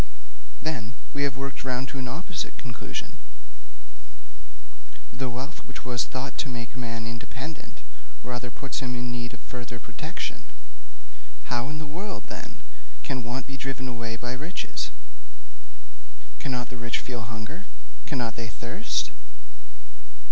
'Then, we have worked round to an opposite conclusion: the wealth which was thought to make a man independent rather puts him in need of further protection. How in the world, then, can want be driven away by riches? Cannot the rich feel hunger? Cannot they thirst?